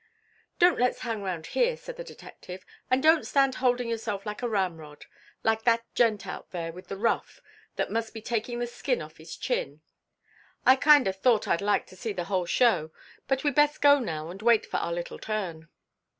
"Don't let's hang round here," said the detective, "and don't stand holding yourself like a ramrod like that gent out there with the ruff that must be taking the skin off his chin. I kinder thought I'd like to see the whole show, but we'd best go now and wait for our little turn."